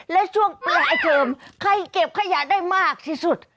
และช่วงปลายเทอมใครเก็บขยะได้มากที่สุด